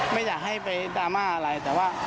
ไม่อยากให้ไปดราม่าอะไร